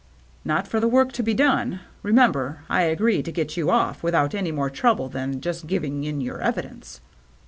" Not for the work to be done. Remember, I agree to get you off without any more trouble than just giving in your evidence."